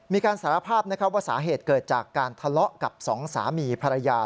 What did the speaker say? สารภาพว่าสาเหตุเกิดจากการทะเลาะกับสองสามีภรรยา